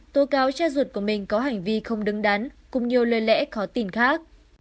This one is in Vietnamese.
tố cáo cha ruột của mình có hành vi không đứng đắn cùng nhiều lời lẽ khó tin khác